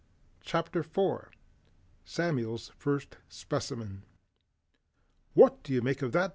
CHAPTER 4 Samuel's First Specimen "What do you make of that?"